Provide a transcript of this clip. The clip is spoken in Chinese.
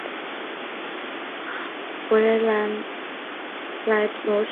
维兰莱罗谢。